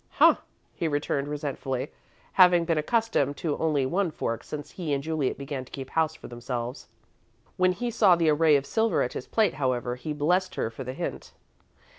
"Huh!" he returned, resentfully, having been accustomed to only one fork since he and Juliet began to keep house for themselves. When he saw the array of silver at his plate, however, he blessed her for the hint.